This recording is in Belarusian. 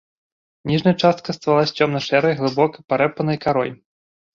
Ніжняя частка ствала з цёмна-шэрай, глыбока парэпанай карой.